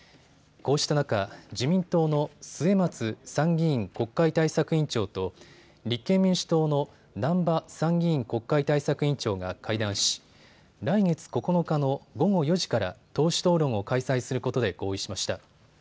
こうした中、自民党の末松参議院国会対策委員長と立憲民主党の難波参議院国会対策委員長が会談し、来月９日の午後４時から党首討論を開催することで合意しました。